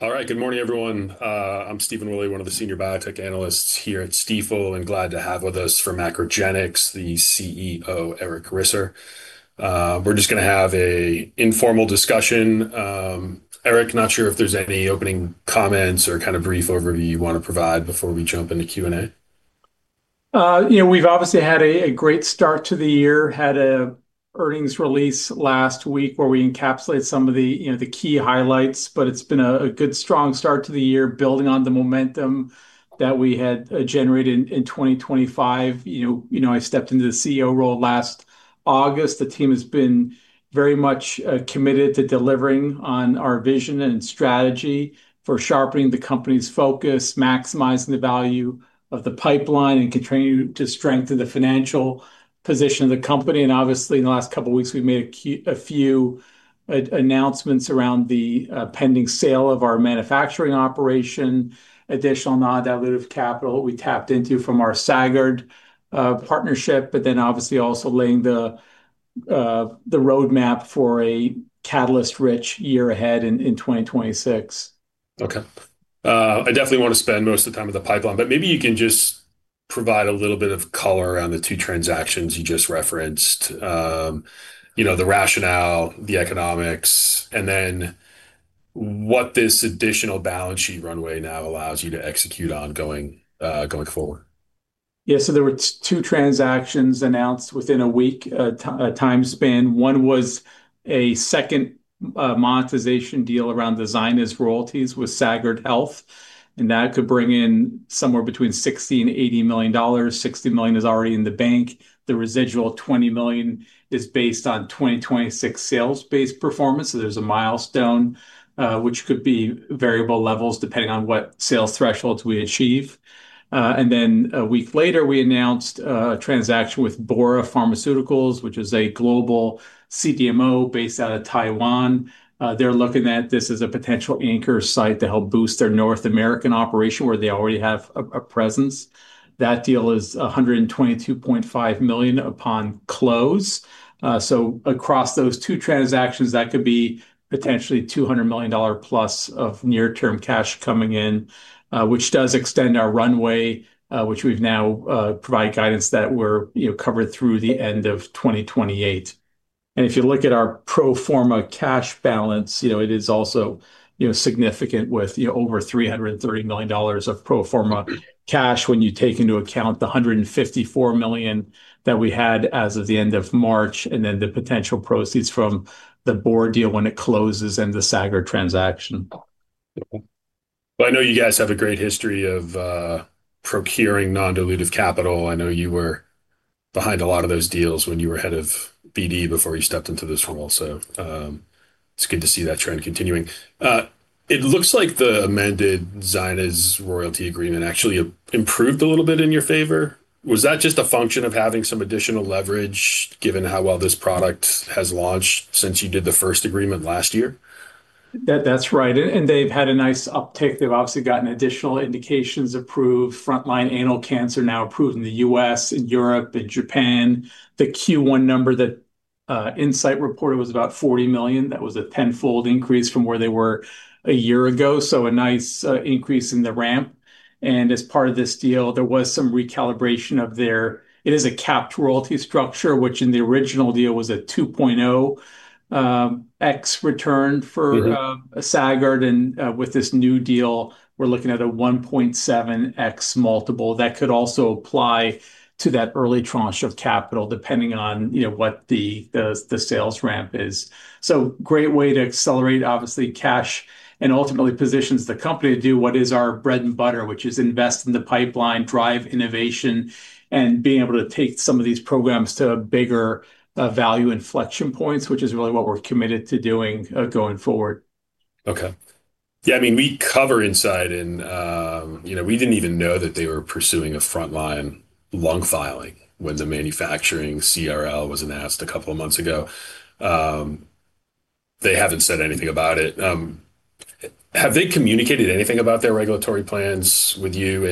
All right. Good morning, everyone. I'm Stephen Willey, one of the senior biotech analysts here at Stifel, and glad to have with us for MacroGenics, the CEO, Eric Risser. We're just going to have an informal discussion. Eric, not sure if there's any opening comments or kind of brief overview you want to provide before we jump into Q&A. We've obviously had a great start to the year, had an earnings release last week where we encapsulated some of the key highlights. It's been a good, strong start to the year, building on the momentum that we had generated in 2025. I stepped into the CEO role last August. The team has been very much committed to delivering on our vision and strategy for sharpening the company's focus, maximizing the value of the pipeline, and continuing to strengthen the financial position of the company. Obviously, in the last couple of weeks, we've made a few announcements around the pending sale of our manufacturing operation, additional non-dilutive capital we tapped into from our Sagard partnership, obviously also laying the roadmap for a catalyst-rich year ahead in 2026. Okay. I definitely want to spend most of the time on the pipeline, but maybe you can just provide a little bit of color around the two transactions you just referenced. The rationale, the economics, and then what this additional balance sheet runway now allows you to execute on going forward. Yeah. There were two transactions announced within a week time span. One was a second monetization deal around the ZYNYZ royalties with Sagard Health. That could bring in somewhere between $60 million-$80 million. $60 million is already in the bank. The residual $20 million is based on 2026 sales-based performance, there's a milestone, which could be variable levels depending on what sales thresholds we achieve. A week later, we announced a transaction with Bora Pharmaceuticals, which is a global CDMO based out of Taiwan. They're looking at this as a potential anchor site to help boost their North American operation, where they already have a presence. That deal is $122.5 million upon close. Across those two transactions, that could be potentially $200+ million of near-term cash coming in, which does extend our runway which we've now provided guidance that we're covered through the end of 2028. If you look at our pro forma cash balance, it is also significant with over $330 million of pro forma cash when you take into account the $154 million that we had as of the end of March, and then the potential proceeds from the Bora deal when it closes, and the Sagard transaction. Okay. I know you guys have a great history of procuring non-dilutive capital. I know you were behind a lot of those deals when you were head of BD before you stepped into this role, so it's good to see that trend continuing. It looks like the amended ZYNYZ royalty agreement actually improved a little bit in your favor. Was that just a function of having some additional leverage, given how well this product has launched since you did the first agreement last year? That's right. They've had a nice uptick. They've obviously gotten additional indications approved. Frontline anal cancer now approved in the U.S., in Europe, in Japan. The Q1 number that Incyte reported was about $40 million. That was a 10-fold increase from where they were a year ago, so a nice increase in the ramp. As part of this deal, it is a capped royalty structure, which in the original deal was a 2.0x return for Sagard. With this new deal, we're looking at a 1.7x multiple that could also apply to that early tranche of capital, depending on what the sales ramp is. Great way to accelerate, obviously, cash, and ultimately positions the company to do what is our bread and butter, which is invest in the pipeline, drive innovation, and being able to take some of these programs to bigger value inflection points, which is really what we're committed to doing going forward. Okay. Yeah, we cover Incyte. We didn't even know that they were pursuing a frontline lung filing when the manufacturing CRL was announced a couple of months ago. They haven't said anything about it. Have they communicated anything about their regulatory plans with you?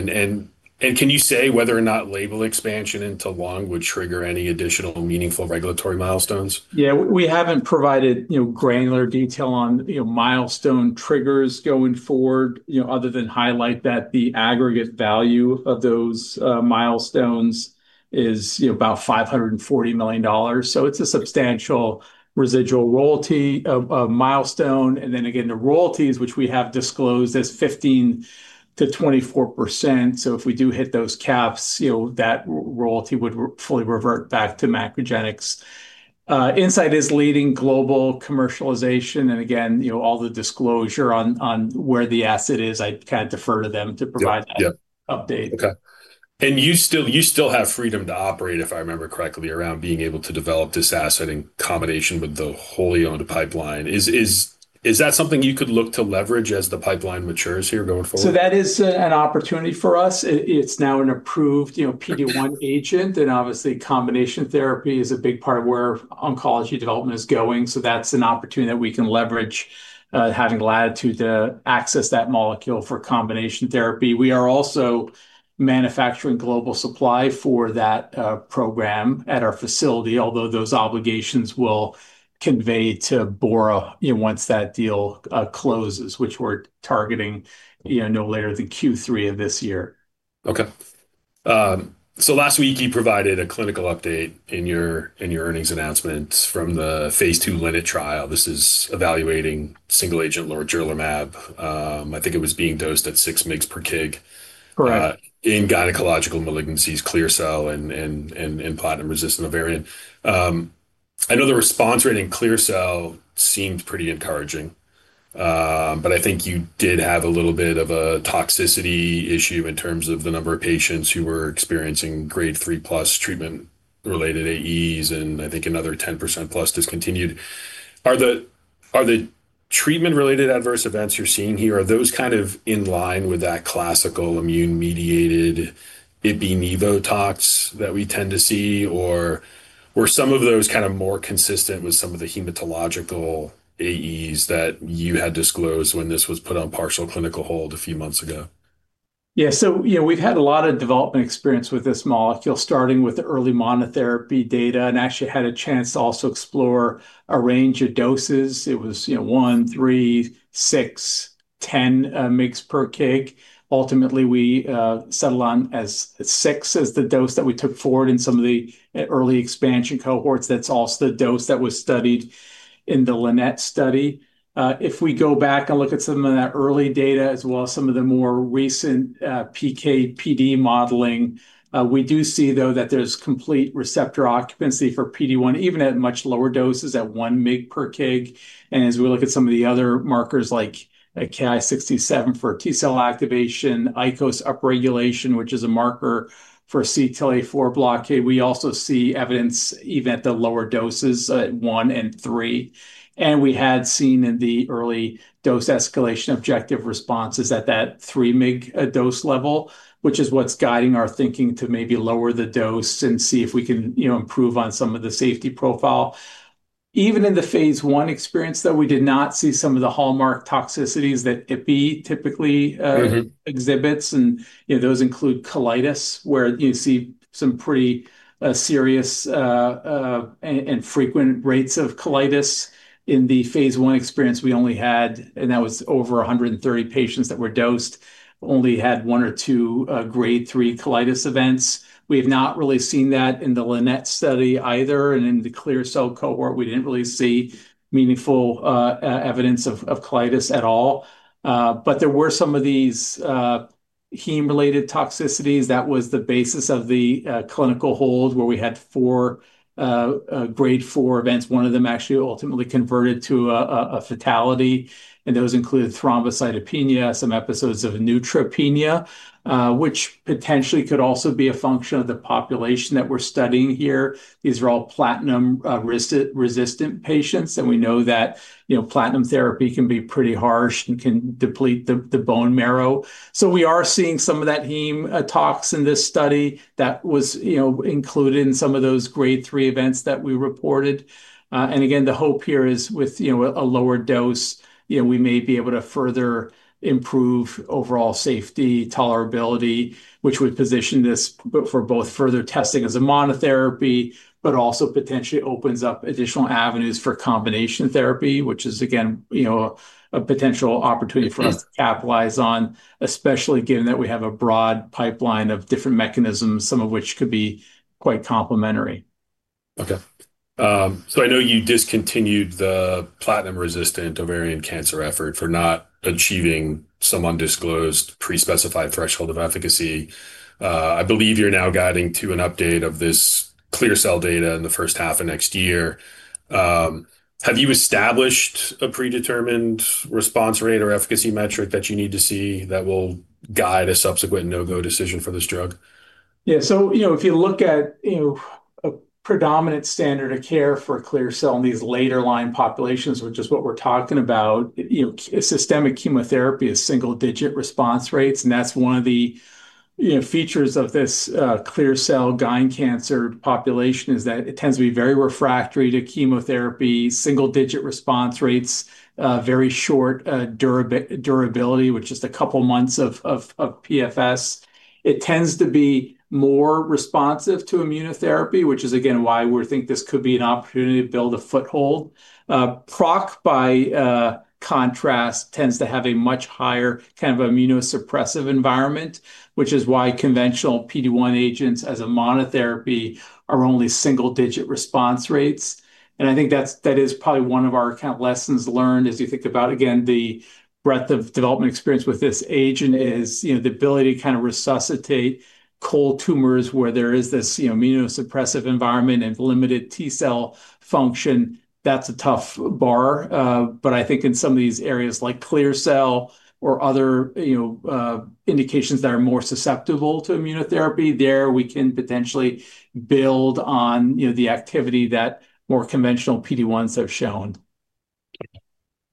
Can you say whether or not label expansion into lung would trigger any additional meaningful regulatory milestones? Yeah. We haven't provided granular detail on milestone triggers going forward, other than highlight that the aggregate value of those milestones is about $540 million. It's a substantial residual royalty milestone. Again, the royalties, which we have disclosed, is 15%-24%. If we do hit those caps, that royalty would fully revert back to MacroGenics. Incyte is leading global commercialization. Again, all the disclosure on where the asset is, I kind of defer to them to provide- Yep ..that update. Okay. You still have freedom to operate, if I remember correctly, around being able to develop this asset in combination with the wholly owned pipeline. Is that something you could look to leverage as the pipeline matures here going forward? That is an opportunity for us. It's now an approved PD-1 agent, and obviously, combination therapy is a big part of where oncology development is going. That's an opportunity that we can leverage, having latitude to access that molecule for combination therapy. We are also manufacturing global supply for that program at our facility, although those obligations will convey to Bora once that deal closes, which we're targeting no later than Q3 of this year. Last week you provided a clinical update in your earnings announcement from the phase II LYNET trial. This is evaluating single agent lorigerlimab. I think it was being dosed at 6 mg per kg. Correct. In gynecological malignancies, clear cell and platinum-resistant ovarian. I know the response rate in clear cell seemed pretty encouraging, but I think you did have a little bit of a toxicity issue in terms of the number of patients who were experiencing Grade 3 plus treatment-related AEs, and I think another 10%+ discontinued. Are the treatment-related adverse events you're seeing here, are those in line with that classical immune-mediated ipi/nivo tox that we tend to see, or were some of those more consistent with some of the hematological AEs that you had disclosed when this was put on partial clinical hold a few months ago? Yeah. We've had a lot of development experience with this molecule, starting with the early monotherapy data, and actually had a chance to also explore a range of doses. It was 1 mg, 3 mg, 6 mg, 10 mgs per kg. Ultimately, we settled on 6 mg as the dose that we took forward in some of the early expansion cohorts. That's also the dose that was studied in the LYNET study. If we go back and look at some of that early data as well as some of the more recent PK/PD modeling, we do see, though, that there's complete receptor occupancy for PD-1, even at much lower doses at 1 mg per kg. As we look at some of the other markers like KI67 for T cell activation, ICOS upregulation, which is a marker for CTLA-4 blockade, we also see evidence even at the lower doses, at 1 mg and 3 mg. We had seen in the early dose escalation objective responses at that 3 mg dose level, which is what's guiding our thinking to maybe lower the dose and see if we can improve on some of the safety profile. Even in the phase I experience, though, we did not see some of the hallmark toxicities that ipi typically exhibits. Those include colitis, where you see some pretty serious and frequent rates of colitis. In the phase I experience, we only had, and that was over 130 patients that were dosed, only had one or two Grade 3 colitis events. We have not really seen that in the LYNET study either. In the clear cell cohort, we didn't really see meaningful evidence of colitis at all. There were some of these heme-related toxicities. That was the basis of the clinical hold, where we had four Grade 4 events. One of them actually ultimately converted to a fatality. Those included thrombocytopenia, some episodes of neutropenia, which potentially could also be a function of the population that we're studying here. These are all platinum-resistant patients. We know that platinum therapy can be pretty harsh and can deplete the bone marrow. We are seeing some of that heme tox in this study that was included in some of those Grade 3 events that we reported. Again, the hope here is with a lower dose, we may be able to further improve overall safety tolerability, which would position this for both further testing as a monotherapy, but also potentially opens up additional avenues for combination therapy, which is, again, a potential opportunity for us to capitalize on, especially given that we have a broad pipeline of different mechanisms, some of which could be quite complementary. Okay. I know you discontinued the platinum-resistant ovarian cancer effort for not achieving some undisclosed pre-specified threshold of efficacy. I believe you're now guiding to an update of this clear cell data in the first half of next year. Have you established a predetermined response rate or efficacy metric that you need to see that will guide a subsequent no-go decision for this drug? Yeah. If you look at a predominant standard of care for clear cell in these later-line populations, which is what we're talking about, systemic chemotherapy is single-digit response rates, and that's one of the features of this clear cell gyn cancer population, is that it tends to be very refractory to chemotherapy. Single-digit response rates, very short durability with just a couple of months of PFS. It tends to be more responsive to immunotherapy, which is, again, why we think this could be an opportunity to build a foothold. PROC, by contrast, tends to have a much higher immunosuppressive environment, which is why conventional PD-1 agents as a monotherapy are only single-digit response rates. I think that is probably one of our lessons learned as you think about, again, the breadth of development experience with this agent is the ability to resuscitate cold tumors where there is this immunosuppressive environment and limited T cell function. That's a tough bar. I think in some of these areas like clear cell or other indications that are more susceptible to immunotherapy, there we can potentially build on the activity that more conventional PD-1s have shown.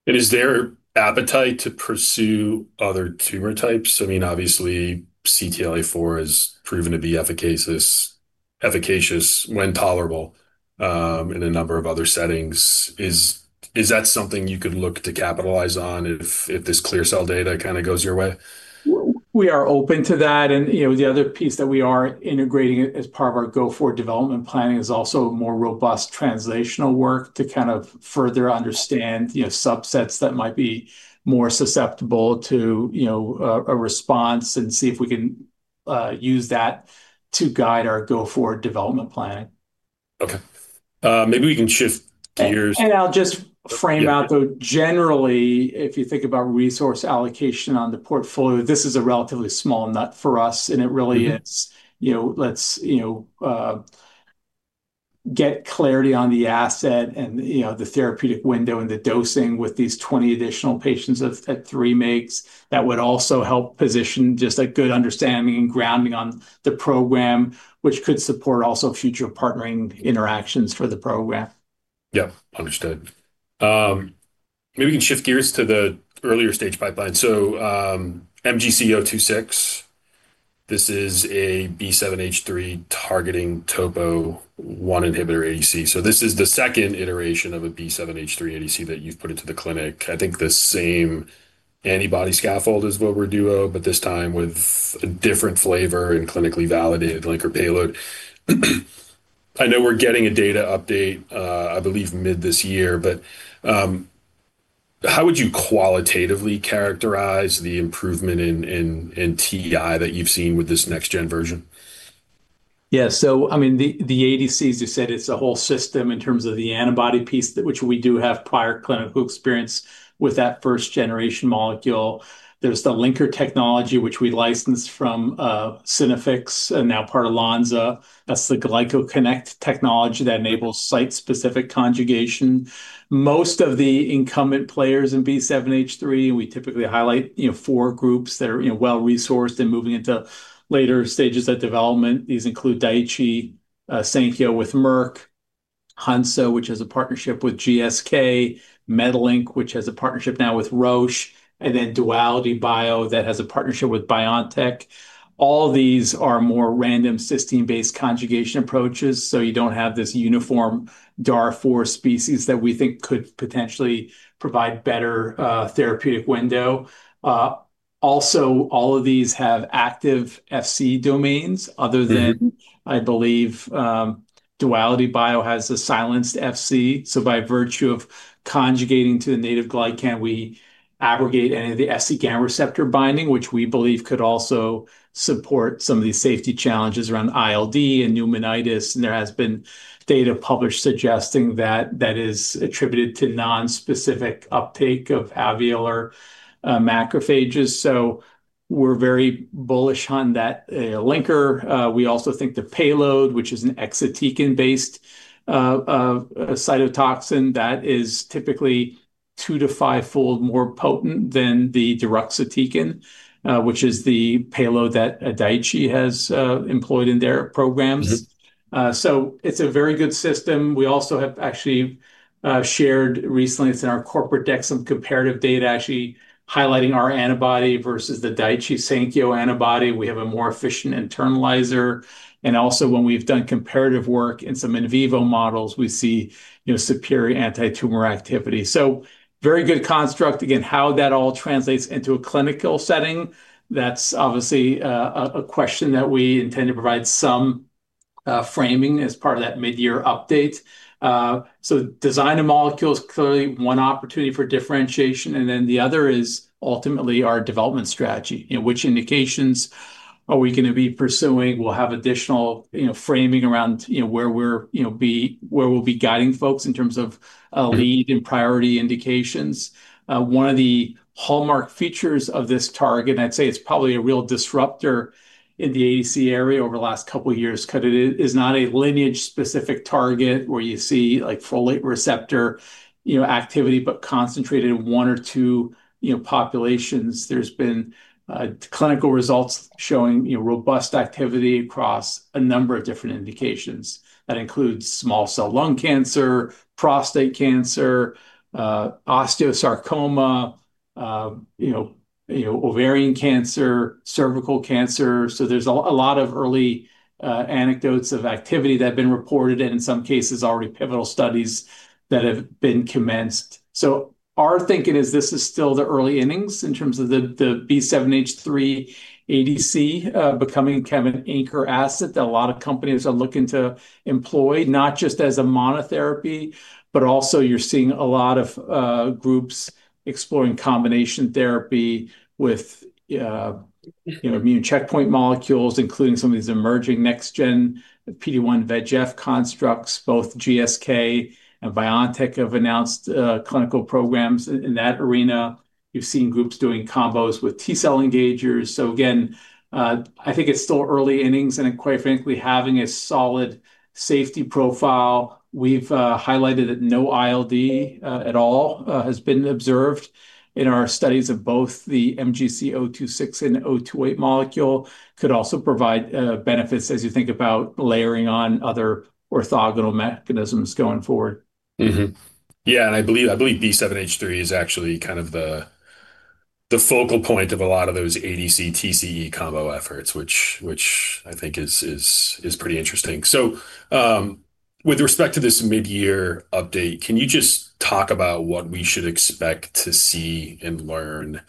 Is there appetite to pursue other tumor types? Obviously, CTLA-4 has proven to be efficacious when tolerable in a number of other settings. Is that something you could look to capitalize on if this clear cell data goes your way? We are open to that, and the other piece that we are integrating as part of our go-forward development planning is also more robust translational work to further understand subsets that might be more susceptible to a response and see if we can use that to guide our go-forward development planning. Okay. Maybe we can shift gears. I'll just frame out, though, generally, if you think about resource allocation on the portfolio, this is a relatively small nut for us, and it really is. Let's get clarity on the asset and the therapeutic window and the dosing with these 20 additional patients at 3mg. That would also help position just a good understanding and grounding on the program, which could support also future partnering interactions for the program. Yeah. Understood. Maybe we can shift gears to the earlier stage pipeline. MGC026, this is a B7-H3 targeting topo one inhibitor ADC. This is the second iteration of a B7-H3 ADC that you've put into the clinic. I think the same antibody scaffold as [vobra, duo], but this time with a different flavor and clinically validated linker payload. I know we're getting a data update, I believe mid this year, how would you qualitatively characterize the improvement in TI that you've seen with this next gen version? Yeah. The ADCs, as you said, it's a whole system in terms of the antibody piece, which we do have prior clinical experience with that first generation molecule. There's the linker technology, which we licensed from Synaffix, now part of Lonza. That's the GlycoConnect technology that enables site-specific conjugation. Most of the incumbent players in B7-H3, and we typically highlight four groups that are well-resourced and moving into later stages of development. These include Daiichi Sankyo with Merck, Hansoh, which has a partnership with GSK, MediLink, which has a partnership now with Roche, and then DualityBio, that has a partnership with BioNTech. All these are more random cysteine-based conjugation approaches. You don't have this uniform DAR4 species that we think could potentially provide better therapeutic window. Also, all of these have active Fc domains other than, I believe, DualityBio has a silenced Fc. By virtue of conjugating to the native glycan, we abrogate any of the Fc gamma receptor binding, which we believe could also support some of these safety challenges around ILD and pneumonitis, and there has been data published suggesting that that is attributed to nonspecific uptake of alveolar macrophages. We are very bullish on that linker. We also think the payload, which is an exatecan-based cytotoxin that is typically two to fivefold more potent than the deruxtecan, which is the payload that Daiichi has employed in their programs. It's a very good system. We also have actually shared recently, it's in our corporate deck, some comparative data actually highlighting our antibody versus the Daiichi Sankyo antibody. We have a more efficient internalizer, and also when we've done comparative work in some in vivo models, we see superior antitumor activity. Very good construct. Again, how that all translates into a clinical setting, that's obviously a question that we intend to provide some framing as part of that mid-year update. Design a molecule is clearly one opportunity for differentiation, the other is ultimately our development strategy. Which indications are we going to be pursuing? We'll have additional framing around where we'll be guiding folks in terms of lead and priority indications. One of the hallmark features of this target, and I'd say it's probably a real disruptor in the ADC area over the last couple of years, because it is not a lineage-specific target where you see folate receptor activity, but concentrated in one or two populations. There's been clinical results showing robust activity across a number of different indications. That includes small cell lung cancer, prostate cancer, osteosarcoma, ovarian cancer, cervical cancer. There's a lot of early anecdotes of activity that have been reported and in some cases already pivotal studies that have been commenced. Our thinking is this is still the early innings in terms of the B7-H3 ADC becoming an anchor asset that a lot of companies are looking to employ, not just as a monotherapy, but also you're seeing a lot of groups exploring combination therapy with immune checkpoint molecules, including some of these emerging next gen PD-1, VEGF constructs. Both GSK and BioNTech have announced clinical programs in that arena. You've seen groups doing combos with T-cell engagers. Again, I think it's still early innings, and quite frankly, having a solid safety profile. We've highlighted that no ILD at all has been observed in our studies of both the MGC026 and 028 molecule could also provide benefits as you think about layering on other orthogonal mechanisms going forward. Yeah. I believe B7-H3 is actually the focal point of a lot of those ADC/TCE combo efforts, which I think is pretty interesting. With respect to this mid-year update, can you just talk about what we should expect to see and learn?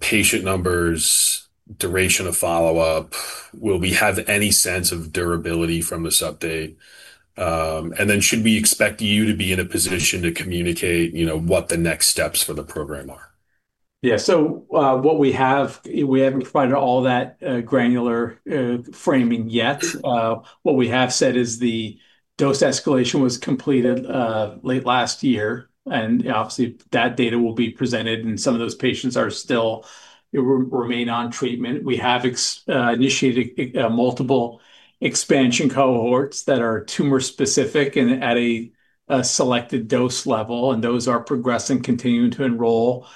Patient numbers, duration of follow-up. Will we have any sense of durability from this update? Should we expect you to be in a position to communicate what the next steps for the program are? Yeah. What we have, we haven't provided all that granular framing yet. What we have said is the dose escalation was completed late last year, and obviously that data will be presented, and some of those patients still remain on treatment. We have initiated multiple expansion cohorts that are tumor-specific and at a selected dose level, and those are progressing, continuing to enroll.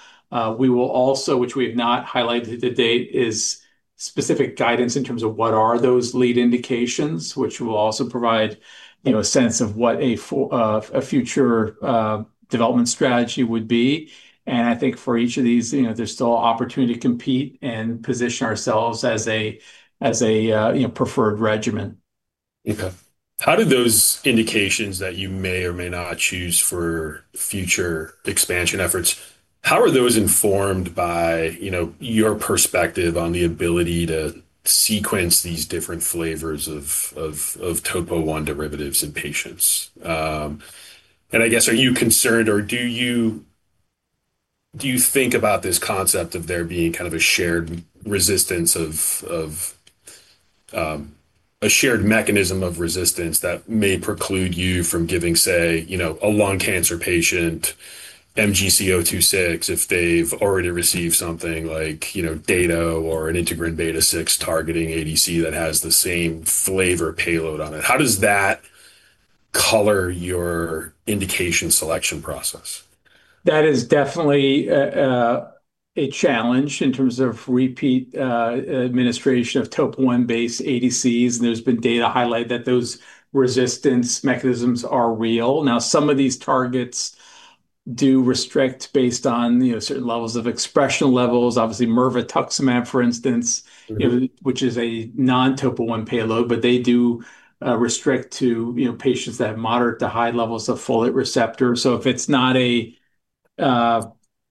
We will also, which we have not highlighted to date, is specific guidance in terms of what are those lead indications, which will also provide a sense of what a future development strategy would be. I think for each of these, there's still opportunity to compete and position ourselves as a preferred regimen. Okay. How do those indications that you may or may not choose for future expansion efforts, how are those informed by your perspective on the ability to sequence these different flavors of TOP1 derivatives in patients? I guess, are you concerned, or do you think about this concept of there being kind of a shared resistance of, a shared mechanism of resistance that may preclude you from giving, say, a lung cancer patient MGC026 if they've already received something like dato or an integrin beta-6 targeting ADC that has the same flavor payload on it? How does that color your indication selection process? That is definitely a challenge in terms of repeat administration of TOP1-based ADCs, and there's been data highlighted that those resistance mechanisms are real. Now, some of these targets do restrict based on certain levels of expression levels. Obviously, mirvetuximab, for instance, which is a non-TOP1 payload, but they do restrict to patients that have moderate to high levels of folate receptor.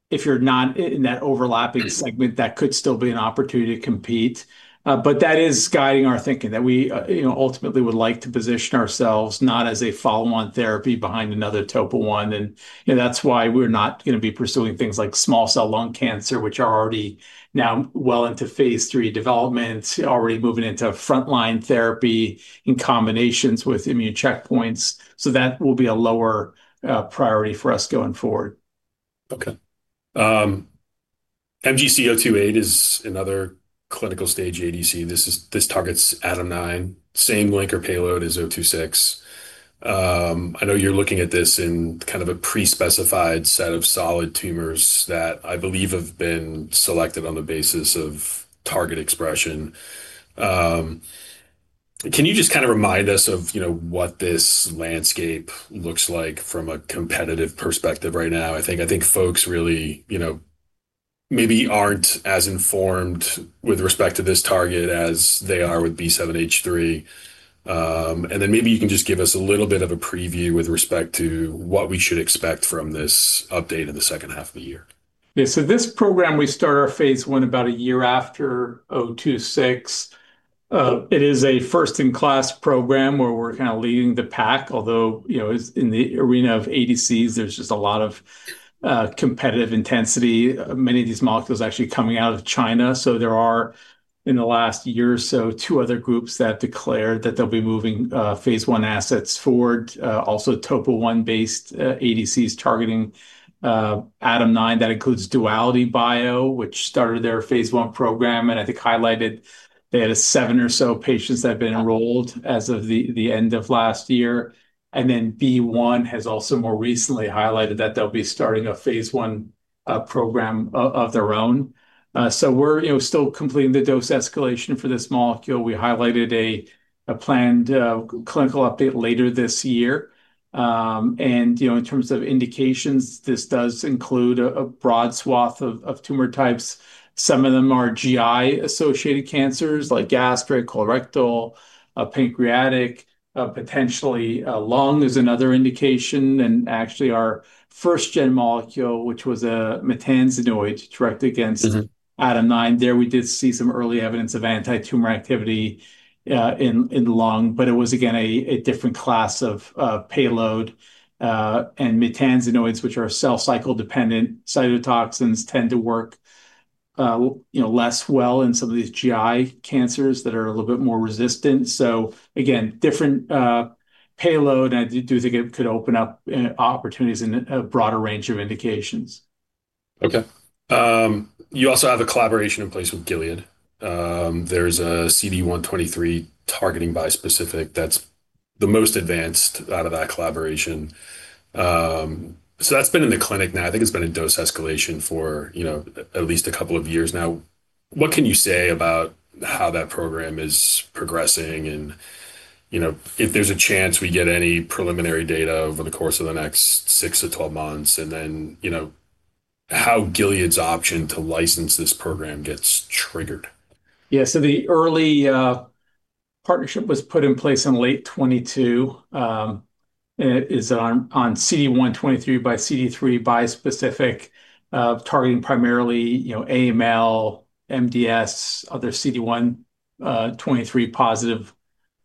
If you're not in that overlapping segment, that could still be an opportunity to compete. That is guiding our thinking, that we ultimately would like to position ourselves not as a follow-on therapy behind another TOP1. That's why we're not going to be pursuing things like small cell lung cancer, which are already now well into phase III development, already moving into frontline therapy in combinations with immune checkpoints. That will be a lower priority for us going forward. Okay. MGC028 is another clinical stage ADC. This targets ADAM9, same linker payload as 026. I know you're looking at this in kind of a pre-specified set of solid tumors that I believe have been selected on the basis of target expression. Can you just kind of remind us of what this landscape looks like from a competitive perspective right now? I think folks really maybe aren't as informed with respect to this target as they are with B7-H3. Maybe you can just give us a little bit of a preview with respect to what we should expect from this update in the second half of the year. Yeah. This program, we start our phase I about a year after 026. It is a first-in-class program where we're kind of leading the pack. Although, in the arena of ADCs, there's just a lot of competitive intensity. Many of these molecules are actually coming out of China. There are, in the last year or so, two other groups that declared that they'll be moving phase I assets forward. Also, TOP1-based ADCs targeting ADAM9. That includes DualityBio, which started their phase I program, and I think highlighted they had seven or so patients that have been enrolled as of the end of last year. BeOne has also more recently highlighted that they'll be starting a phase I program of their own. We're still completing the dose escalation for this molecule. We highlighted a planned clinical update later this year. In terms of indications, this does include a broad swath of tumor types. Some of them are GI-associated cancers like gastric, colorectal, pancreatic. Potentially lung is another indication. Actually, our first-gen molecule, which was a maytansinoid directed against ADAM9, there we did see some early evidence of anti-tumor activity in the lung. It was, again, a different class of payload. Maytansinoids, which are cell cycle-dependent cytotoxins, tend to work less well in some of these GI cancers that are a little bit more resistant. Again, different payload, and I do think it could open up opportunities in a broader range of indications. Okay. You also have a collaboration in place with Gilead. There's a CD123 targeting bispecific that's the most advanced out of that collaboration. That's been in the clinic now. I think it's been in dose escalation for at least a couple of years now. What can you say about how that program is progressing and if there's a chance we get any preliminary data over the course of the next 6 to 12 months, and then how Gilead's option to license this program gets triggered? Yeah. The early partnership was put in place in late 2022. It is on CD123 by CD3 bispecific, targeting primarily AML, MDS, other CD123 positive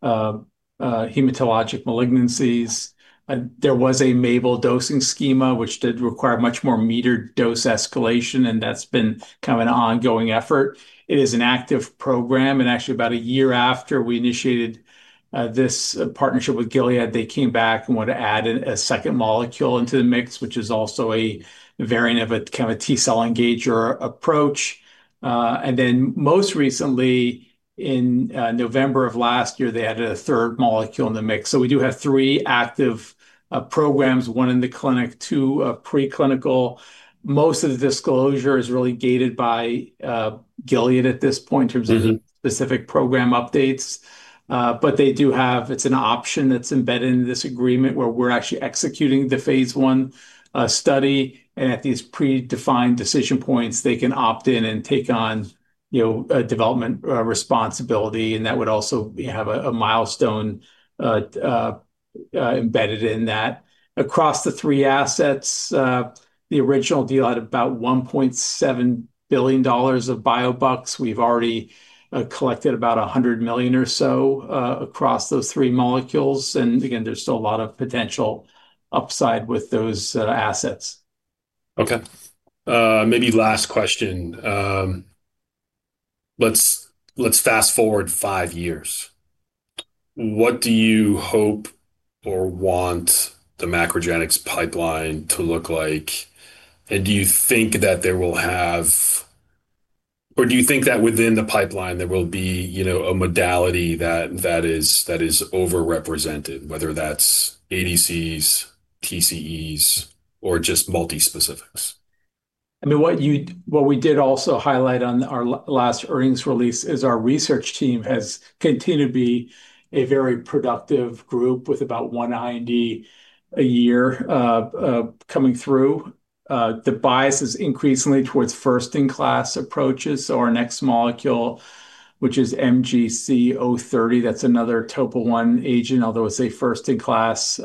hematologic malignancies. There was a MABEL dosing schema, which did require much more metered dose escalation, and that's been kind of an ongoing effort. It is an active program. Actually, about a year after we initiated this partnership with Gilead, they came back and want to add a second molecule into the mix, which is also a variant of a T cell engager approach. Most recently, in November of last year, they added a third molecule in the mix. We do have three active programs, one in the clinic, two preclinical. Most of the disclosure is really gated by Gilead at this point. There's specific program updates. They do have, it's an option that's embedded into this agreement, where we're actually executing the phase I study. At these predefined decision points, they can opt in and take on development responsibility, and that would also have a milestone embedded in that. Across the three assets, the original deal had about $1.7 billion of biobucks. We've already collected about $100 million or so across those three molecules. Again, there's still a lot of potential upside with those assets. Okay. Maybe last question. Let's fast forward five years. What do you hope or want the MacroGenics pipeline to look like? Do you think that within the pipeline, there will be a modality that is over-represented, whether that's ADCs, TCEs, or just multi-specifics? What we did also highlight on our last earnings release is our research team has continued to be a very productive group with about one IND a year coming through. The bias is increasingly towards first-in-class approaches. Our next molecule, which is MGC030, that's another TOP1 agent, although it's a first-in-class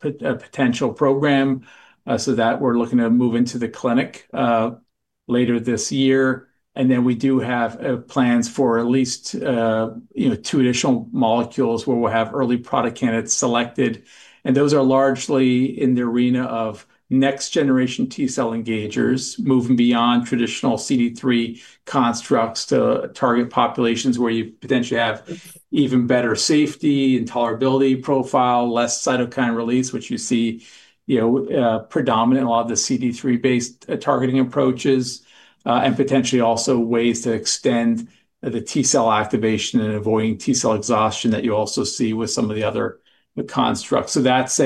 potential program, so that we're looking to move into the clinic later this year. We do have plans for at least two additional molecules where we'll have early product candidates selected, and those are largely in the arena of next generation T cell engagers, moving beyond traditional CD3 constructs to target populations where you potentially have even better safety and tolerability profile, less cytokine release, which you see predominant a lot of the CD3-based targeting approaches. Potentially also ways to extend the T cell activation and avoiding T cell exhaustion that you also see with some of the other constructs. That's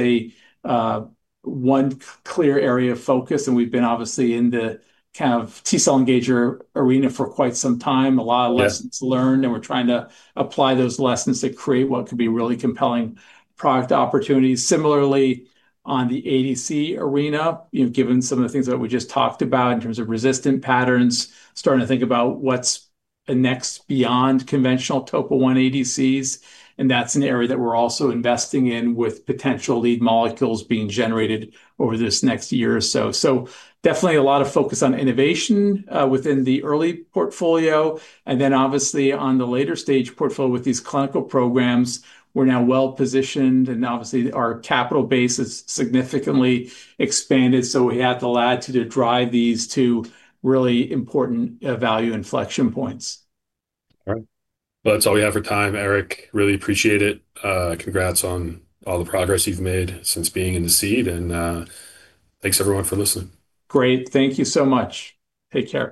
one clear area of focus, and we've been obviously in the T cell engager arena for quite some time. Yeah A lot of lessons learned, and we're trying to apply those lessons to create what could be really compelling product opportunities. Similarly, on the ADC arena, given some of the things that we just talked about in terms of resistant patterns, starting to think about what's next beyond conventional TOP1 ADCs, and that's an area that we're also investing in with potential lead molecules being generated over this next year or so. Definitely a lot of focus on innovation within the early portfolio, and then obviously on the later stage portfolio with these clinical programs, we're now well-positioned, and obviously our capital base is significantly expanded, so we have the latitude to drive these two really important value inflection points. All right. Well, that's all we have for time, Eric. Really appreciate it. Congrats on all the progress you've made since being in the seed, thanks everyone for listening. Great. Thank you so much. Take care.